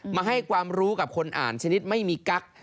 มาให้ความรู้กับคนอ่านชนิดไม่มีกั๊ก